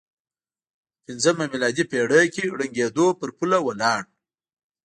په پځمه میلادي پېړۍ کې ړنګېدو پر پوله ولاړ و.